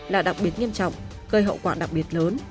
là đặc biệt nghiêm trọng gây hậu quả đặc biệt lớn